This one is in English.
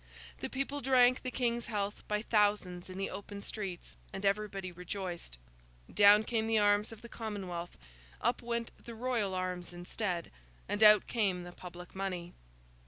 The people drank the King's health by thousands in the open streets, and everybody rejoiced. Down came the Arms of the Commonwealth, up went the Royal Arms instead, and out came the public money.